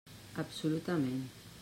Absolutament.